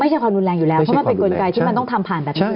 ความรุนแรงอยู่แล้วเพราะมันเป็นกลไกที่มันต้องทำผ่านแบบนี้